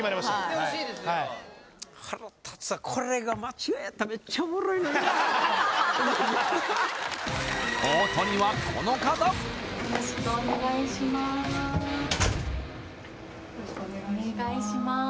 よろしくお願いします